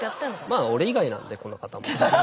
まあ俺以外なんでこの方も。